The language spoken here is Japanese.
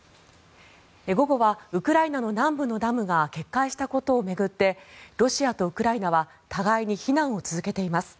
午後はウクライナの南部のダムが決壊したことを巡ってロシアとウクライナは互いに非難を続けています。